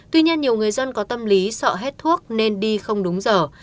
tuy nhiên nhiều người dân có tâm lý sợ hết thuốc nên đi không đúng giờ